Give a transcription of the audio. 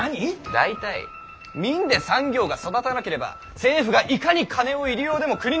大体民で産業が育たなければ政府がいかに金を入り用でも国に金は生まれませぬ。